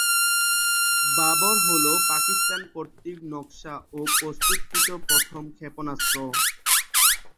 বাবর হলো পাকিস্তান কর্তৃক নকশা ও প্রস্তুতকৃত প্রথম ক্ষেপণাস্ত্র।